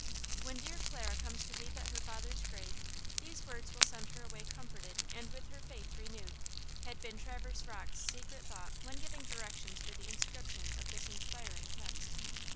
"When dear Clara comes to weep at her father's grave, these words will send her away comforted and with her faith renewed," had been Traverse Rocke's secret thought when giving directions for the inscription of this inspiring text.